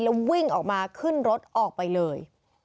แล้ววิ่งออกมาขึ้นรถออกไปเลย